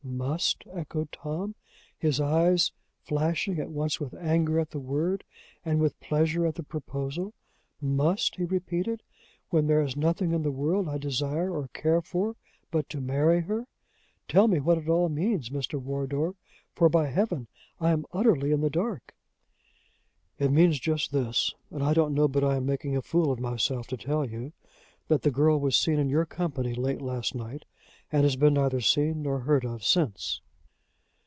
"Must!" echoed Tom, his eyes flashing, at once with anger at the word and with pleasure at the proposal. "Must?" he repeated, "when there is nothing in the world I desire or care for but to marry her? Tell me what it all means, Mr. Wardour; for, by Heaven! I am utterly in the dark." "It means just this and I don't know but I am making a fool of myself to tell you that the girl was seen in your company late last night, and has been neither seen nor heard of since."